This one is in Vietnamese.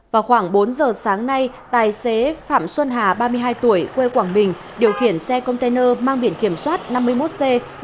vào khoảng bốn giờ sáng nay tài xế phạm xuân hà ba mươi hai tuổi quê quảng bình điều khiển xe container mang biển kiểm soát năm mươi một c năm nghìn bốn trăm bảy mươi bốn